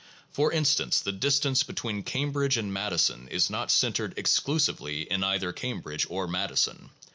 For instance the distance between Cambridge and Madison is not centered exclusively in either Cambridge or Madison.